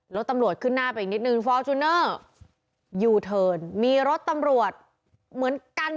รถตำขึ้นหน้าไปนิดนึงฟอร์จุนเนอร์ยูทันมีรถตำรวจเหมือนกัน